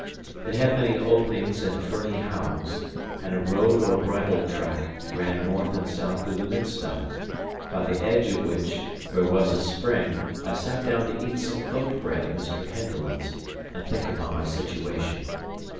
It had many openings and ferny howes; and a road or bridle track ran north and south through the midst of it, by the edge of which, where was a spring, I sat down to eat some oat bread of Mr. Henderland's and think upon my situation.